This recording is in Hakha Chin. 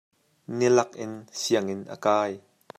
Nilak in sianginn a kai.